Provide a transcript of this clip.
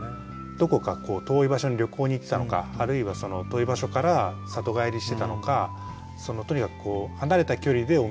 どこか遠い場所に旅行に行ってたのかあるいはその遠い場所から里帰りしてたのかとにかく離れた距離でお土産を持って行ってる。